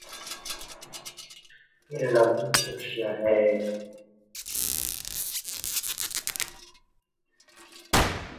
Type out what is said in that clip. अब रेलवे स्टेशनों पर खुलेंगे पिज्जा हट, सीसीडी, सबवे